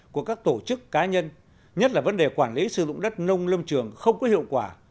của các tổ chức cá nhân nhất là vấn đề quản lý sử dụng đất nông lâm trường không có hiệu quả